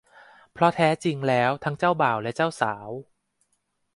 เพราะแท้จริงแล้วทั้งเจ้าบ่าวและเจ้าสาว